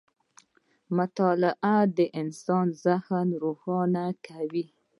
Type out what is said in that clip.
• مطالعه د انسان ذهن روښانه کوي.